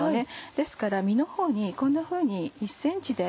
ですから身のほうにこんなふうに１ｃｍで。